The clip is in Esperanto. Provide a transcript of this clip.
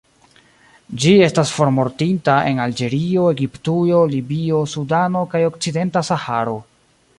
Ĝi estas formortinta en Alĝerio, Egiptujo, Libio, Sudano kaj okcidenta Saharo.